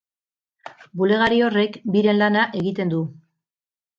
Bulegari horrek biren lana egiten du.